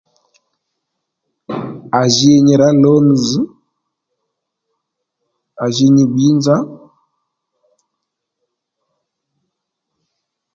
À ji nyi rǎ lon zz à ji nyi bbǐ nza